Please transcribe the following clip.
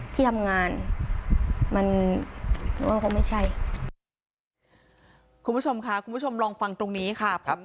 คุณผู้ชมค่ะคุณผู้ชมลองฟังตรงนี้ค่ะ